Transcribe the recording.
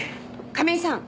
亀井さん。